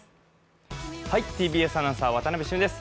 ＴＢＳアナウンサー、渡部峻です。